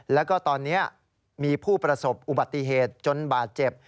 แล้วก็ตอนนี้มีผู้ประสบอุบัติเหตุจนบาดเจ็บ